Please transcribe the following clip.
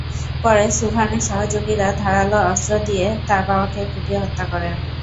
পরে সুবহানের সহযোগীরা ধারালো অস্ত্র দিয়ে তাঁর বাবাকে কুপিয়ে হত্যা করে।